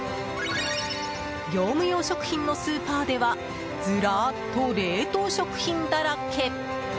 業務用食品のスーパーではずらっと冷凍食品だらけ。